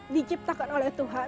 diciptakan oleh tuhan